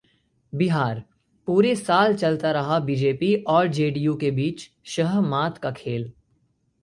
बिहार: पूरे साल चलता रहा बीजेपी और जेडीयू के बीच शह-मात का खेल